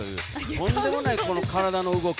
とんでもない、体の動き。